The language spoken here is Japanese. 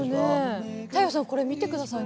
太陽さんこれ見てください。